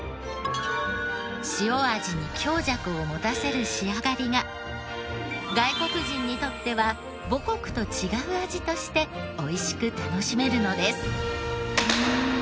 塩味に強弱を持たせる仕上がりが外国人にとっては母国と違う味としておいしく楽しめるのです。